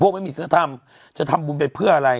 พวกมันมีศาสนธรรมจะทำบุญเป็นเพื่ออะไร